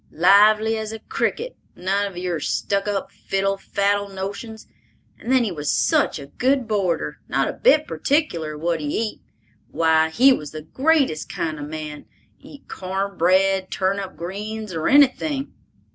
Lively as a cricket; none of your stuck up, fiddle faddle notions. And then he was such a good boarder—not a bit particular what he eat; why, he was the greatest kind of a man—eat corn bread, turnip greens, or anything!"